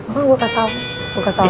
emang gue kasih tau gue kasih tau